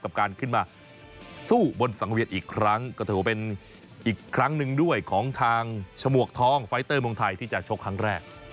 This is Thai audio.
กับการขึ้นมาสู้บนสังเวียนอีกครั้งก็ถือว่าเป็นอีกครั้งหนึ่งด้วยของทางฉมวกทองไฟเตอร์เมืองไทยที่จะชกครั้งแรก